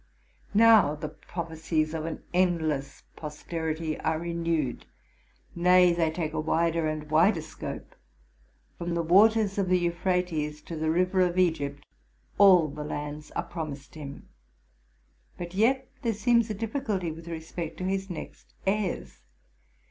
Now the prophecies of an endless posterity are renewed ; nay, they take a wider and wider scope. From the waters of the Euphrates to the river of Egypt all the lands are promised him, but yet there seems a 'difficulty with respect to his next heirs.